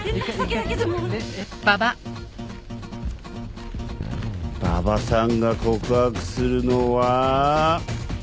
馬場さんが告白するのは。